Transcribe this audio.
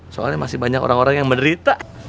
soalnya masih banyak orang orang yang menderita